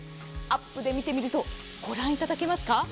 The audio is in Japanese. アップで見てみるとご覧いただけますか。